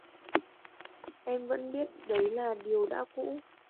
Em vẫn biết đấy là điều đã cũ